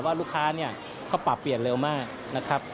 ว่าลูกค้าเขาปรับเปลี่ยนเร็วมาก